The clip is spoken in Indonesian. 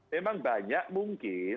memang banyak mungkin